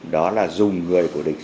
đó là dùng người của địch